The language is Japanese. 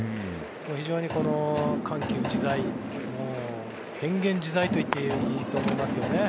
非常に緩急自在変幻自在と言っていいと思いますけどね。